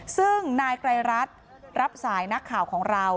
ซึ่งนายไกรรัฐรับสายนักข่าวของเรา